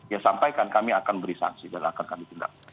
ya sampaikan kami akan beri sanksi dan akan kami tindak